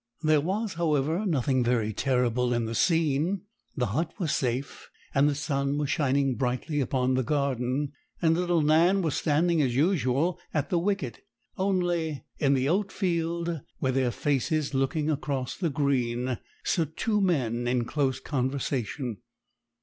There was, however, nothing very terrible in the scene. The hut was safe, and the sun was shining brightly upon the garden, and little Nan was standing as usual at the wicket. Only in the oat field, with their faces looking across the green, stood two men in close conversation.